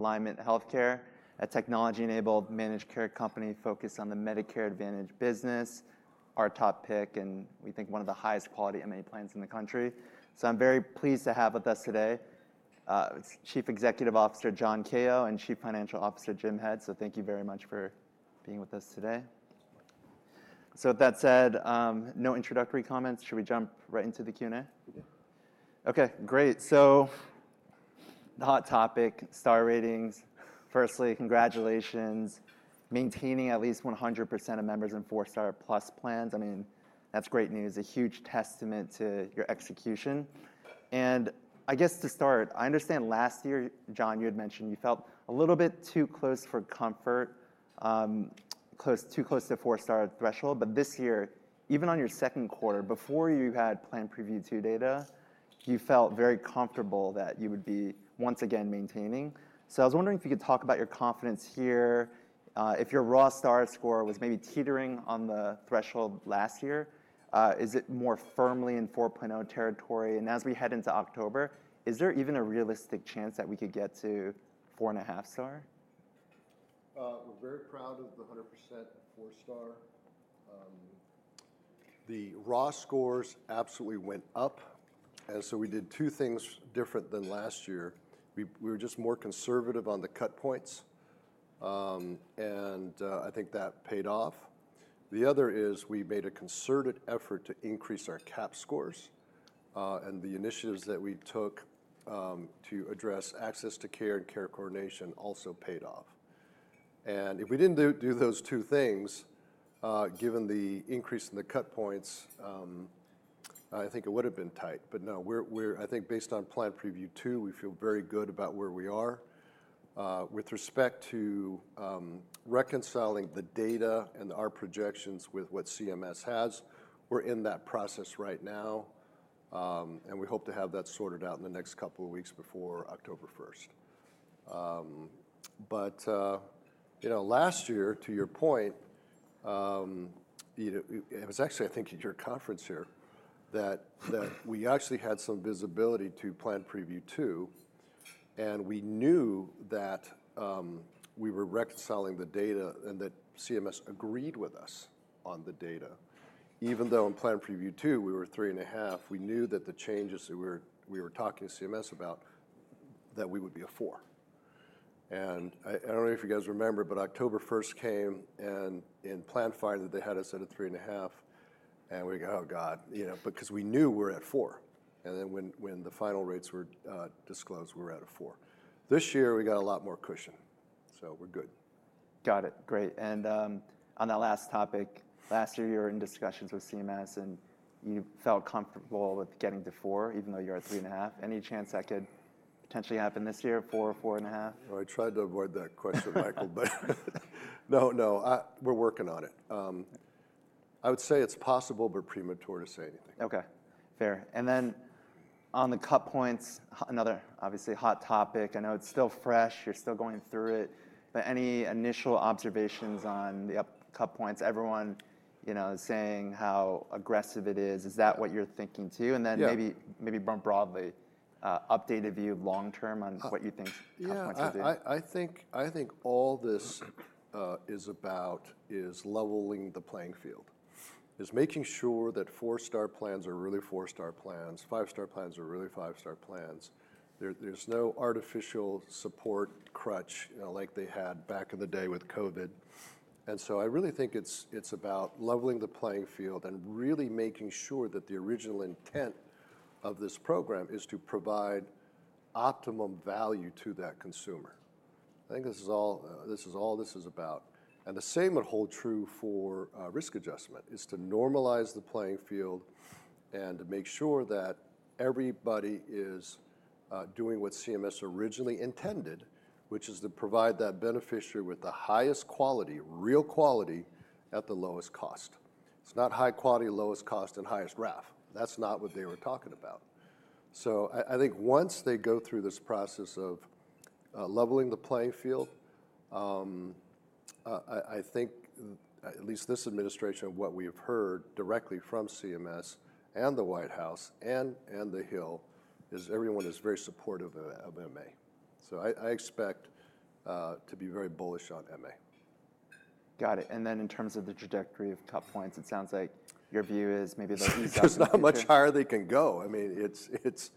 Alignment Healthcare, a technology-enabled managed care company focused on the Medicare Advantage business, our top pick, and we think one of the highest quality MA plans in the country. So I'm very pleased to have with us today Chief Executive Officer John Kao and Chief Financial Officer Jim Head. So thank you very much for being with us today. So with that said, no introductory comments. Should we jump right into the Q&A? We do. Okay, great. So the hot topic, Star Ratings. Firstly, congratulations on maintaining at least 100% of members in four-star plus plans. I mean, that's great news, a huge testament to your execution. And I guess to start, I understand last year, John, you had mentioned you felt a little bit too close for comfort, too close to four-star threshold. But this year, even on your second quarter, before you had Plan Preview 2 data, you felt very comfortable that you would be once again maintaining. So I was wondering if you could talk about your confidence here. If your raw Star score was maybe teetering on the threshold last year, is it more firmly in 4.0 territory? And as we head into October, is there even a realistic chance that we could get to four-and-a-half-star? We're very proud of the 100% four-star. The raw scores absolutely went up. And so we did two things different than last year. We were just more conservative on the cut points. And I think that paid off. The other is we made a concerted effort to increase our CAHPS scores. And the initiatives that we took to address access to care and care coordination also paid off. And if we didn't do those two things, given the increase in the cut points, I think it would have been tight. But no, I think based on Plan Preview 2, we feel very good about where we are. With respect to reconciling the data and our projections with what CMS has, we're in that process right now. And we hope to have that sorted out in the next couple of weeks before October 1st. But last year, to your point, it was actually, I think, at your conference here that we actually had some visibility to Plan Preview 2. And we knew that we were reconciling the data and that CMS agreed with us on the data. Even though in Plan Preview 2, we were three and a half, we knew that the changes that we were talking to CMS about, that we would be a four. And I don't know if you guys remember, but October 1st came and in Plan Finder, they had us at a three and a half. And we go, "Oh God," because we knew we were at four. And then when the final rates were disclosed, we were at a four. This year, we got a lot more cushion. So we're good. Got it. Great. And on that last topic, last year, you were in discussions with CMS and you felt comfortable with getting to four, even though you're at three and a half. Any chance that could potentially happen this year, four or four and a half? I tried to avoid that question, Michael, but no, no, we're working on it. I would say it's possible, but premature to say anything. Okay, fair. And then on the cut points, another obviously hot topic. I know it's still fresh. You're still going through it. But any initial observations on the cut points? Everyone is saying how aggressive it is. Is that what you're thinking too? And then maybe more broadly, updated view long term on what you think cut points will do? I think all this is about is leveling the playing field, is making sure that four-star plans are really four-star plans, five-star plans are really five-star plans. There's no artificial support crutch like they had back in the day with COVID. And so I really think it's about leveling the playing field and really making sure that the original intent of this program is to provide optimum value to that consumer. I think this is all this is about. And the same would hold true for risk adjustment, is to normalize the playing field and to make sure that everybody is doing what CMS originally intended, which is to provide that beneficiary with the highest quality, real quality at the lowest cost. It's not high quality, lowest cost, and highest RAF. That's not what they were talking about. So I think once they go through this process of leveling the playing field, I think at least this administration, what we have heard directly from CMS and the White House and the Hill is everyone is very supportive of MA. So I expect to be very bullish on MA. Got it. And then in terms of the trajectory of cut points, it sounds like your view is maybe they'll ease up. There's not much higher they can go. I mean, it's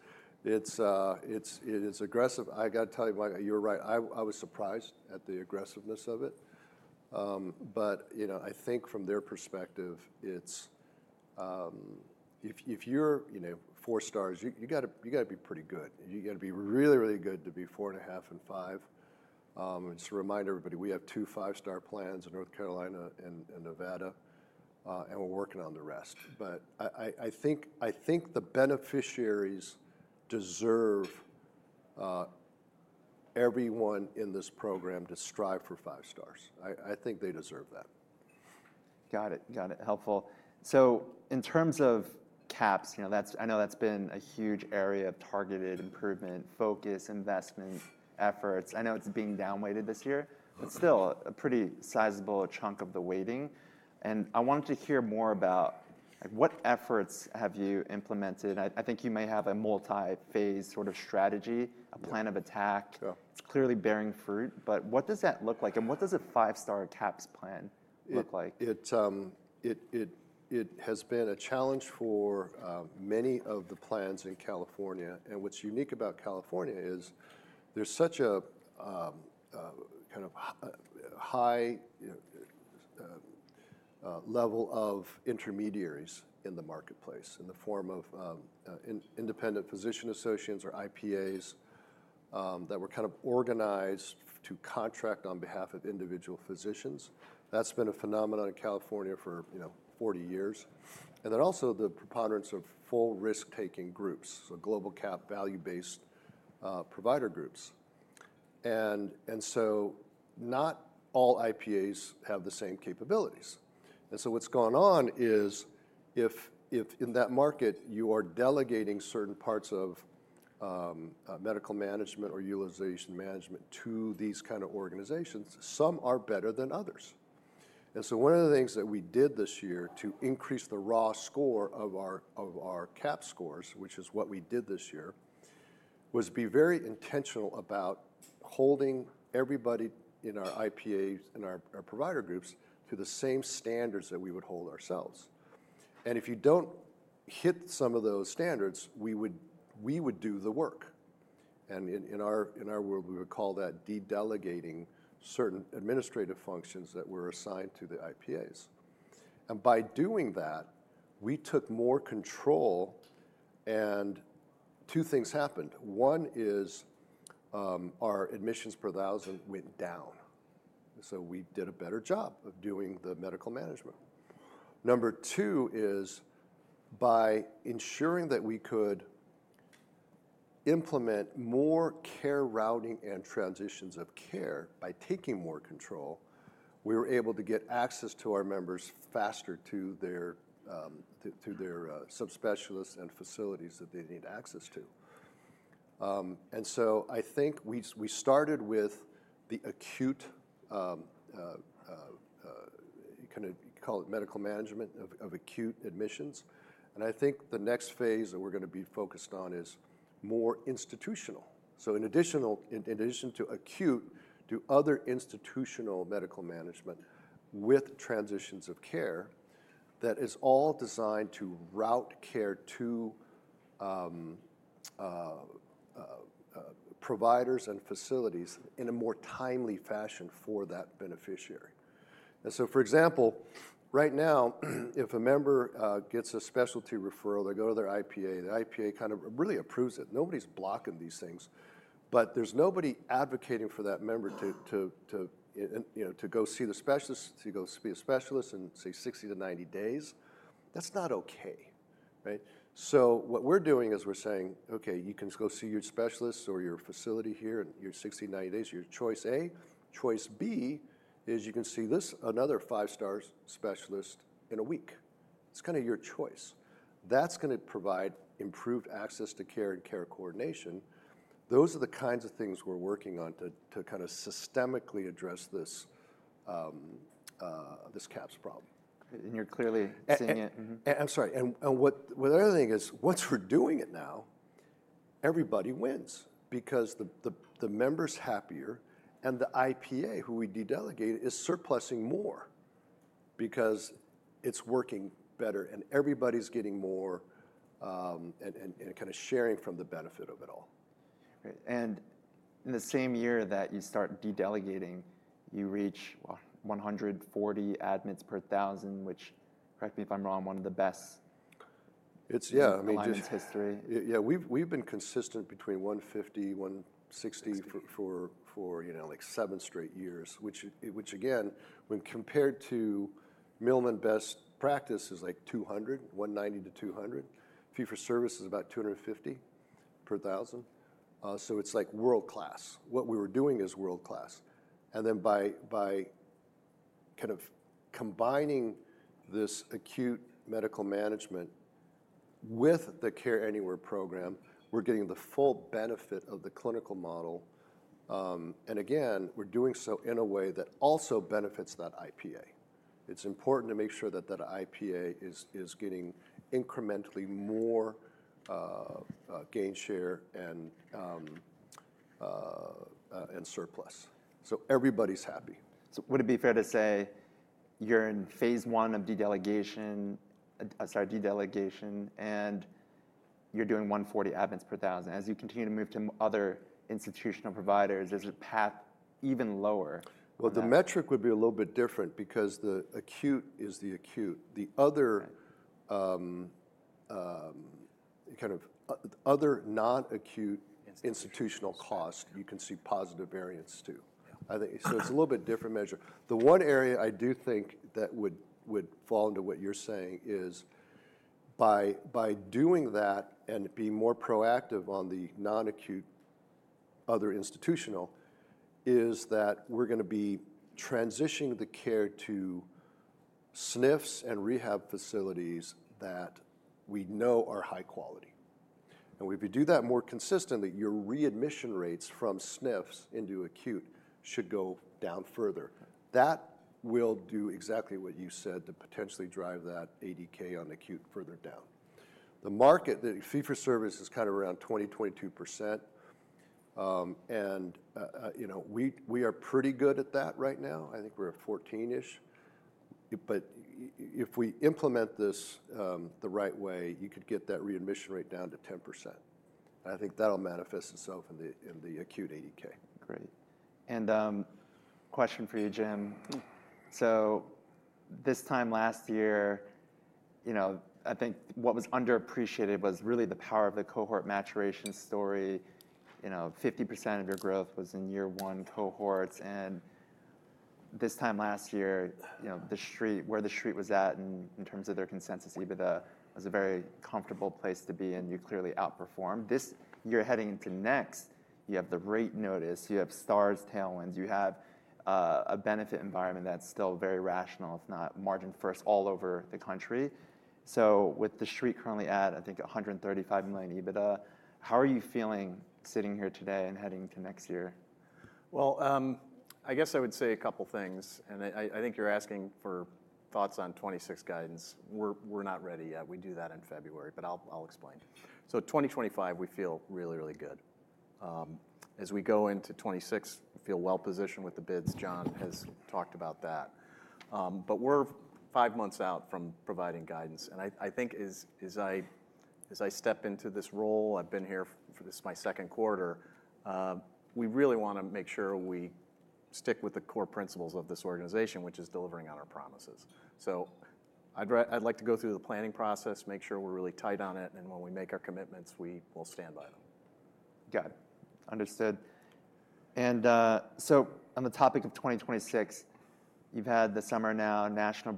aggressive. I got to tell you, Michael, you're right. I was surprised at the aggressiveness of it. But I think from their perspective, if you're four stars, you got to be pretty good. You got to be really, really good to be four and a half and five. And just to remind everybody, we have two five-star plans in North Carolina and Nevada, and we're working on the rest. But I think the beneficiaries deserve everyone in this program to strive for five stars. I think they deserve that. Got it. Got it. Helpful. So in terms of CAHPS, I know that's been a huge area of targeted improvement, focus, investment efforts. I know it's being downweighted this year, but still a pretty sizable chunk of the weighting, and I wanted to hear more about what efforts have you implemented? I think you may have a multi-phase sort of strategy, a plan of attack. It's clearly bearing fruit, but what does that look like, and what does a five-star CAHPS plan look like? It has been a challenge for many of the plans in California, and what's unique about California is there's such a kind of high level of intermediaries in the marketplace in the form of independent physician associations or IPAs that were kind of organized to contract on behalf of individual physicians. That's been a phenomenon in California for 40 years, and then also the preponderance of full risk-taking groups, so global cap value-based provider groups. And so not all IPAs have the same capabilities, and so what's going on is if in that market you are delegating certain parts of medical management or utilization management to these kind of organizations, some are better than others. One of the things that we did this year to increase the raw score of our CAHPS scores, which is what we did this year, was be very intentional about holding everybody in our IPAs and our provider groups to the same standards that we would hold ourselves. If you don't hit some of those standards, we would do the work. In our world, we would call that de-delegating certain administrative functions that were assigned to the IPAs. By doing that, we took more control and two things happened. One is our admissions per thousand went down. So we did a better job of doing the medical management. Number two is by ensuring that we could implement more care routing and transitions of care by taking more control. We were able to get access to our members faster to their subspecialists and facilities that they need access to. And so I think we started with the acute kind of call it medical management of acute admissions. And I think the next phase that we're going to be focused on is more institutional. So in addition to acute, do other institutional medical management with transitions of care that is all designed to route care to providers and facilities in a more timely fashion for that beneficiary. And so for example, right now, if a member gets a specialty referral, they go to their IPA. The IPA kind of really approves it. Nobody's blocking these things. There's nobody advocating for that member to go see the specialist, to go see a specialist in, say, 60-90 days. That's not okay. So what we're doing is we're saying, "Okay, you can go see your specialist or your facility here in your 60-90 days, your choice A. Choice B is you can see this, another five-star specialist in a week. It's kind of your choice." That's going to provide improved access to care and care coordination. Those are the kinds of things we're working on to kind of systemically address this CAHPS problem. You're clearly seeing it. And I'm sorry. And the other thing is once we're doing it now, everybody wins because the member's happier and the IPA who we de-delegate is surplusing more because it's working better and everybody's getting more and kind of sharing from the benefit of it all. And in the same year that you start de-delegating, you reach 140 admits per thousand, which, correct me if I'm wrong, one of the best. It's, yeah, I mean. Alignment history. Yeah, we've been consistent between 150-160 for like seven straight years, which again, when compared to Milliman best practice is like 190-200. Fee for service is about 250 per thousand. So it's like world class. What we were doing is world class. And then by kind of combining this acute medical management with the Care Anywhere program, we're getting the full benefit of the clinical model. And again, we're doing so in a way that also benefits that IPA. It's important to make sure that that IPA is getting incrementally more gain share and surplus. So everybody's happy. So would it be fair to say you're in phase one of de-delegation and you're doing 140 admits per thousand. As you continue to move to other institutional providers, is it a path even lower? The metric would be a little bit different because the acute is the acute. The other kind of non-acute institutional cost, you can see positive variance too. So it's a little bit different measure. The one area I do think that would fall into what you're saying is by doing that and being more proactive on the non-acute other institutional is that we're going to be transitioning the care to SNFs and rehab facilities that we know are high quality. And if you do that more consistently, your readmission rates from SNFs into acute should go down further. That will do exactly what you said to potentially drive that ADK on acute further down. The market, the fee for service is kind of around 20-22%. And we are pretty good at that right now. I think we're at 14-ish%. But if we implement this the right way, you could get that readmission rate down to 10%. And I think that'll manifest itself in the acute ADK. Great. And question for you, Jim. So this time last year, I think what was underappreciated was really the power of the cohort maturation story. 50% of your growth was in year one cohorts. And this time last year, where the street was at in terms of their consensus, EBITDA was a very comfortable place to be and you clearly outperformed. This year heading into next, you have the rate notice, you have stars, tailwinds, you have a benefit environment that's still very rational, if not margin first all over the country. So with the street currently at, I think, $135 million EBITDA, how are you feeling sitting here today and heading into next year? I guess I would say a couple of things. And I think you're asking for thoughts on 2026 guidance. We're not ready yet. We do that in February, but I'll explain. So 2025, we feel really, really good. As we go into 2026, we feel well positioned with the bids. John has talked about that. But we're five months out from providing guidance. And I think as I step into this role, I've been here for this my second quarter, we really want to make sure we stick with the core principles of this organization, which is delivering on our promises. So I'd like to go through the planning process, make sure we're really tight on it, and when we make our commitments, we will stand by them. Got it. Understood. And so on the topic of 2026, you've had the summer now, national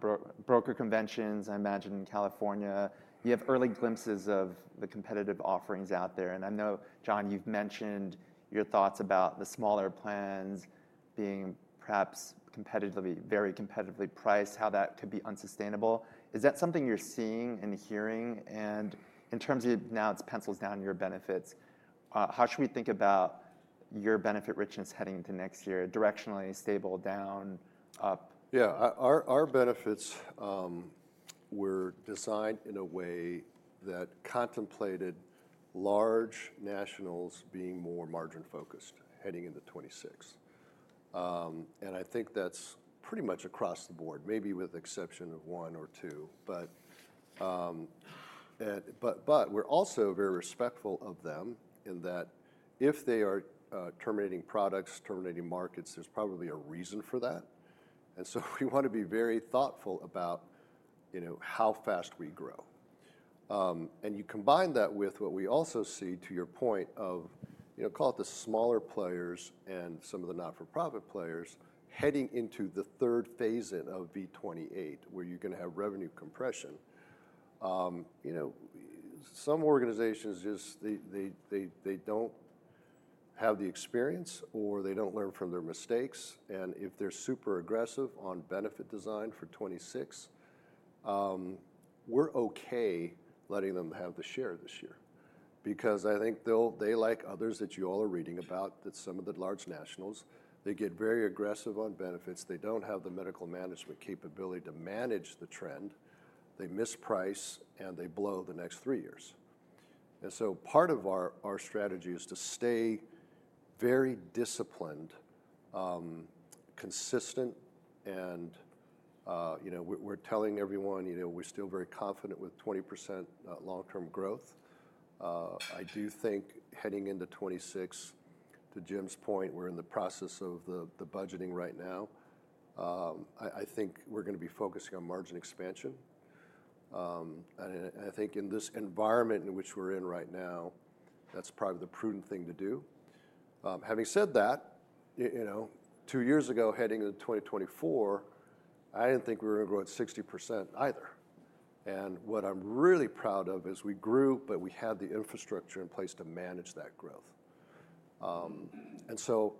broker conventions, I imagine in California. You have early glimpses of the competitive offerings out there. And I know, John, you've mentioned your thoughts about the smaller plans being perhaps very competitively priced, how that could be unsustainable. Is that something you're seeing and hearing? And in terms of now it's pencils down your benefits, how should we think about your benefit richness heading into next year, directionally stable, down, up? Yeah, our benefits were designed in a way that contemplated large nationals being more margin-focused heading into 2026. And I think that's pretty much across the board, maybe with the exception of one or two. But we're also very respectful of them in that if they are terminating products, terminating markets, there's probably a reason for that. And so we want to be very thoughtful about how fast we grow. And you combine that with what we also see to your point of call it the smaller players and some of the not-for-profit players heading into the third phase in of V28, where you're going to have revenue compression. Some organizations just they don't have the experience or they don't learn from their mistakes. And if they're super aggressive on benefit design for 2026, we're okay letting them have the share this year because I think they, like others that you all are reading about, that some of the large nationals, they get very aggressive on benefits. They don't have the medical management capability to manage the trend. They misprice and they blow the next three years. And so part of our strategy is to stay very disciplined, consistent, and we're telling everyone we're still very confident with 20% long-term growth. I do think heading into 2026, to Jim's point, we're in the process of the budgeting right now. I think we're going to be focusing on margin expansion. And I think in this environment in which we're in right now, that's probably the prudent thing to do. Having said that, two years ago heading into 2024, I didn't think we were going to grow at 60% either. And what I'm really proud of is we grew, but we had the infrastructure in place to manage that growth. And so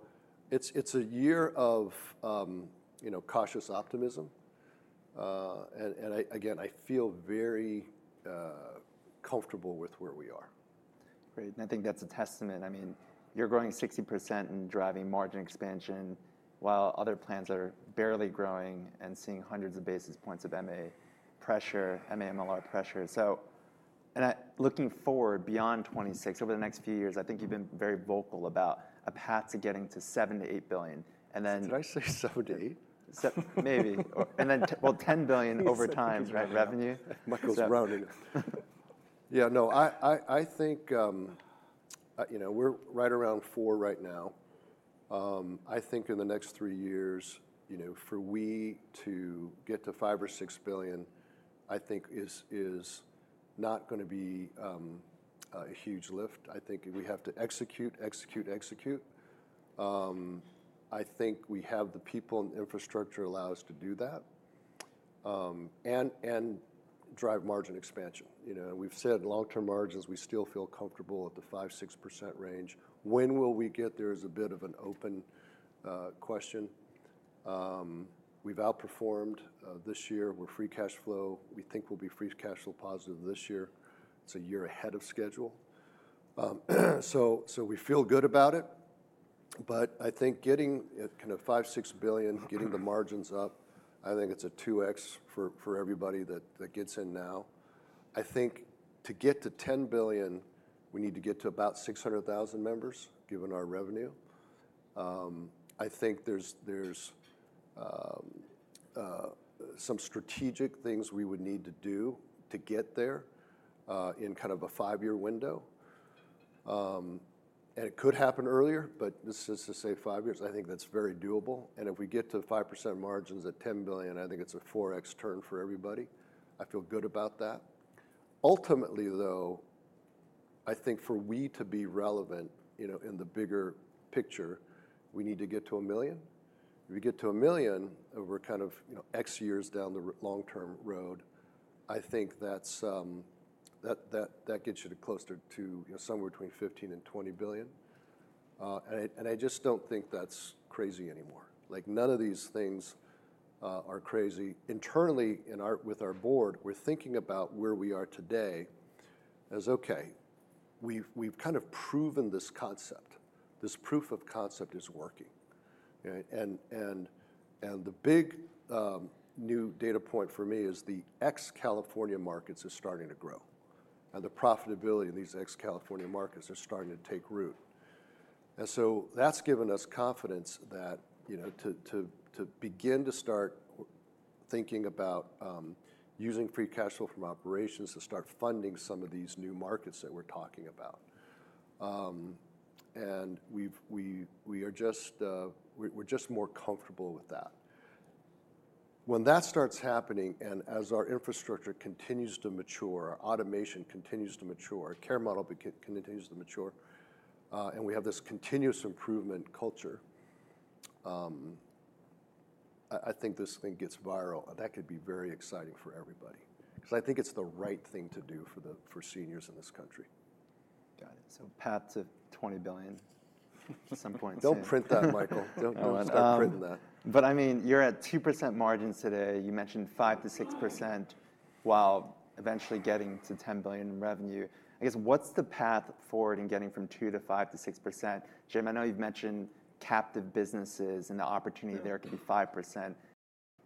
it's a year of cautious optimism. And again, I feel very comfortable with where we are. Great. And I think that's a testament. I mean, you're growing 60% and driving margin expansion while other plans are barely growing and seeing hundreds of basis points of MA pressure, MA MLR pressure. So looking forward beyond 2026, over the next few years, I think you've been very vocal about a path to getting to $7-$8 billion. And then. Did I say $7 billion to $8 billion? Maybe. And then, well, $10 billion over time, right? Revenue. Michael's rounding it. Yeah, no, I think we're right around four right now. I think in the next three years, for we to get to $5 billion or $6 billion, I think is not going to be a huge lift. I think we have to execute, execute, execute. I think we have the people and infrastructure to allow us to do that and drive margin expansion. We've said long-term margins, we still feel comfortable at the 5%-6% range. When will we get there is a bit of an open question. We've outperformed this year. We're free cash flow. We think we'll be free cash flow positive this year. It's a year ahead of schedule. So we feel good about it. But I think getting kind of $5-$6 billion, getting the margins up, I think it's a 2x for everybody that gets in now. I think to get to $10 billion, we need to get to about 600,000 members given our revenue. I think there's some strategic things we would need to do to get there in kind of a five-year window, and it could happen earlier, but this is to say five years. I think that's very doable, and if we get to 5% margins at $10 billion, I think it's a 4x turn for everybody. I feel good about that. Ultimately, though, I think for we to be relevant in the bigger picture, we need to get to a million. If we get to a million, we're kind of X years down the long-term road. I think that gets you closer to somewhere between $15 billion and $20 billion, and I just don't think that's crazy anymore. None of these things are crazy. Internally, with our board, we're thinking about where we are today as, okay, we've kind of proven this concept. This proof of concept is working. And the big new data point for me is the ex-California markets are starting to grow. And the profitability in these ex-California markets are starting to take root. And so that's given us confidence to begin to start thinking about using free cash flow from operations to start funding some of these new markets that we're talking about. And we are just more comfortable with that. When that starts happening and as our infrastructure continues to mature, our automation continues to mature, our care model continues to mature, and we have this continuous improvement culture, I think this thing gets viral. That could be very exciting for everybody because I think it's the right thing to do for seniors in this country. Got it, so path to $20 billion at some point. Don't print that, Michael. Don't print that. But I mean, you're at 2% margins today. You mentioned 5%-6% while eventually getting to $10 billion in revenue. I guess what's the path forward in getting from 2% to 5%-6%? Jim, I know you've mentioned captive businesses and the opportunity there could be 5%.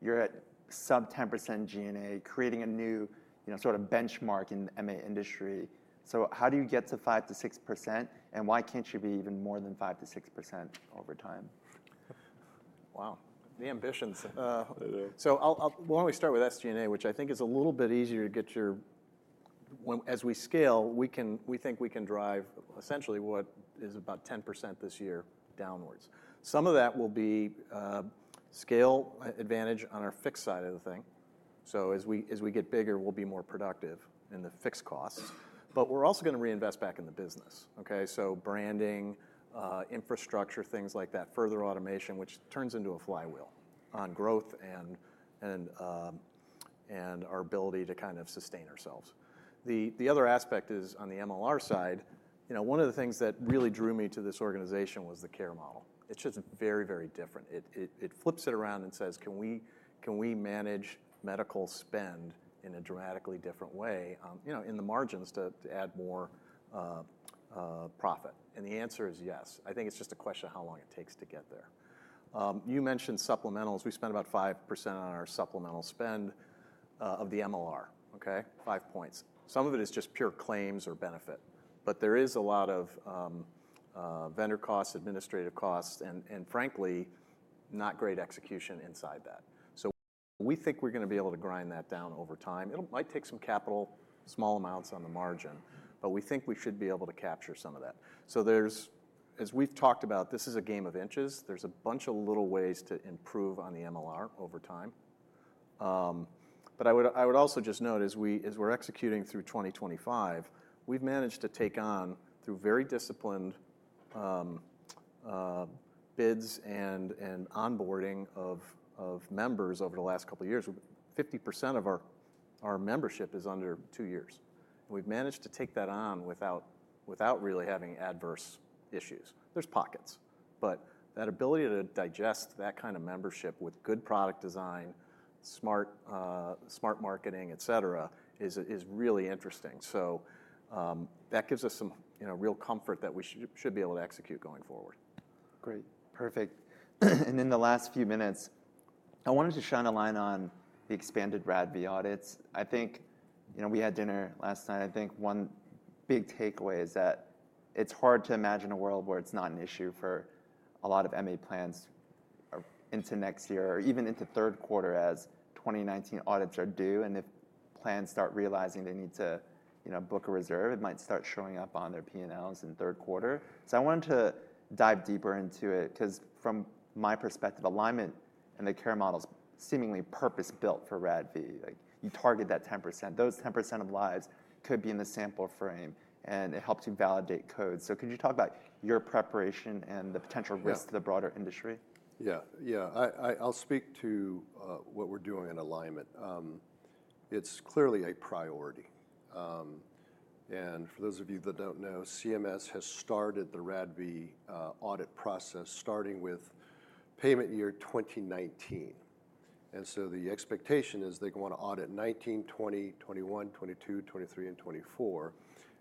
You're at sub-10% SG&A, creating a new sort of benchmark in the MA industry. So how do you get to 5%-6%? And why can't you be even more than 5%-6% over time? Wow. The ambitions, so why don't we start with SG&A, which I think is a little bit easier to get your arms around as we scale? We think we can drive essentially what is about 10% this year downwards. Some of that will be scale advantage on our fixed side of the thing. So as we get bigger, we'll be more productive in the fixed costs, but we're also going to reinvest back in the business, okay, so branding, infrastructure, things like that, further automation, which turns into a flywheel on growth and our ability to kind of sustain ourselves. The other aspect is on the MLR side. One of the things that really drew me to this organization was the care model. It's just very, very different. It flips it around and says, can we manage medical spend in a dramatically different way in the margins to add more profit? The answer is yes. I think it's just a question of how long it takes to get there. You mentioned supplementals. We spend about 5% on our supplemental spend of the MLR, okay? Five points. Some of it is just pure claims or benefit. There is a lot of vendor costs, administrative costs, and frankly, not great execution inside that. We think we're going to be able to grind that down over time. It might take some capital, small amounts on the margin, but we think we should be able to capture some of that. As we've talked about, this is a game of inches. There's a bunch of little ways to improve on the MLR over time. But I would also just note as we're executing through 2025, we've managed to take on through very disciplined bids and onboarding of members over the last couple of years. 50% of our membership is under two years. And we've managed to take that on without really having adverse issues. There's pockets. But that ability to digest that kind of membership with good product design, smart marketing, etc., is really interesting. So that gives us some real comfort that we should be able to execute going forward. Great. Perfect. And in the last few minutes, I wanted to shine a light on the expanded RADV audits. I think we had dinner last night. I think one big takeaway is that it's hard to imagine a world where it's not an issue for a lot of MA plans into next year or even into third quarter as 2019 audits are due. And if plans start realizing they need to book a reserve, it might start showing up on their P&Ls in third quarter. So I wanted to dive deeper into it because from my perspective, Alignment and the care model is seemingly purpose-built for RADV. You target that 10%. Those 10% of lives could be in the sample frame. And it helps you validate code. So could you talk about your preparation and the potential risk to the broader industry? Yeah. Yeah. I'll speak to what we're doing in Alignment. It's clearly a priority. And for those of you that don't know, CMS has started the RADV audit process starting with payment year 2019. And so the expectation is they want to audit 2019, 2020, 2021, 2022, 2023, and 2024.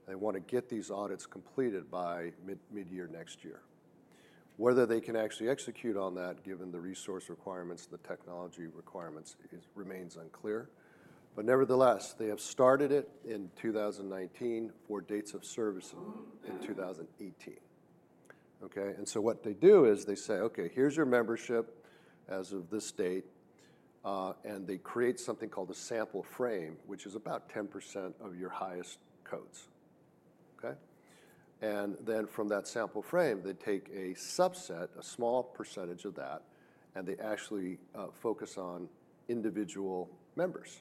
And they want to get these audits completed by mid-year next year. Whether they can actually execute on that, given the resource requirements, the technology requirements, remains unclear. But nevertheless, they have started it in 2019 for dates of service in 2018. Okay? And so what they do is they say, okay, here's your membership as of this date. And they create something called a sample frame, which is about 10% of your highest codes. Okay? And then from that sample frame, they take a subset, a small percentage of that, and they actually focus on individual members.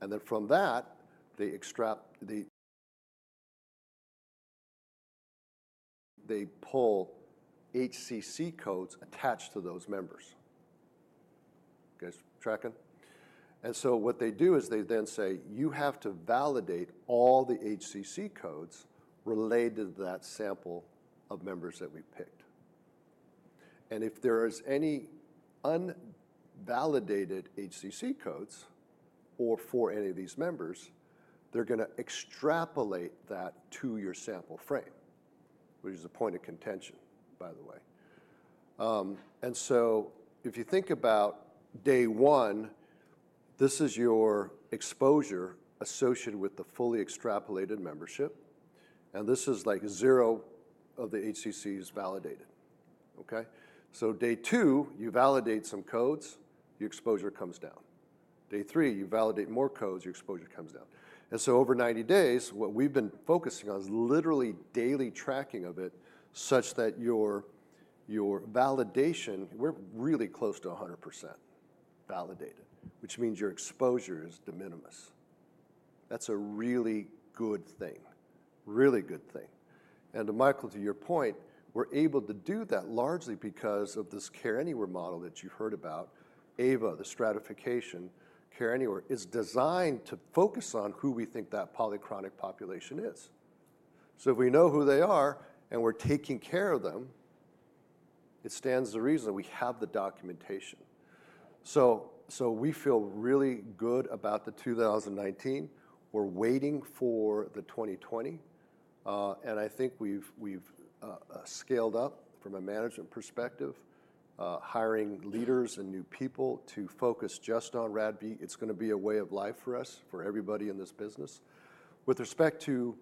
And then from that, they pull HCC codes attached to those members. Okay? Tracking? And so what they do is they then say, you have to validate all the HCC codes related to that sample of members that we picked. And if there are any unvalidated HCC codes for any of these members, they're going to extrapolate that to your sample frame, which is a point of contention, by the way. And so if you think about day one, this is your exposure associated with the fully extrapolated membership. And this is like zero of the HCCs validated. Okay? So day two, you validate some codes, your exposure comes down. Day three, you validate more codes, your exposure comes down. And so over 90 days, what we've been focusing on is literally daily tracking of it such that your validation, we're really close to 100% validated, which means your exposure is de minimis. That's a really good thing. Really good thing. And Michael, to your point, we're able to do that largely because of this Care Anywhere model that you heard about, AVA, the stratification, Care Anywhere is designed to focus on who we think that polychronic population is. So if we know who they are and we're taking care of them, it stands to reason that we have the documentation. So we feel really good about the 2019. We're waiting for the 2020. And I think we've scaled up from a management perspective, hiring leaders and new people to focus just on RADV. It's going to be a way of life for us, for everybody in this business. With respect to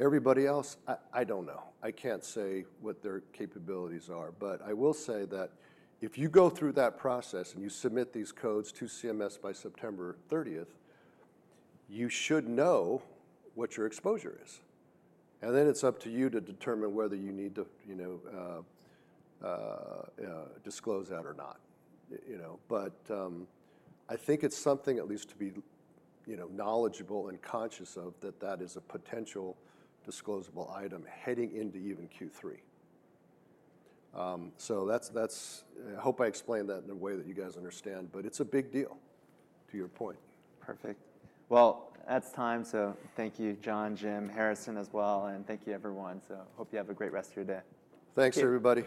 everybody else, I don't know. I can't say what their capabilities are. But I will say that if you go through that process and you submit these codes to CMS by September 30th, you should know what your exposure is. And then it's up to you to determine whether you need to disclose that or not. But I think it's something at least to be knowledgeable and conscious of that that is a potential disclosable item heading into even Q3. So I hope I explained that in a way that you guys understand, but it's a big deal to your point. Perfect. Well, that's time. So, thank you, John, Jim, Harrison as well. And thank you, everyone. So, hope you have a great rest of your day. Thanks, everybody.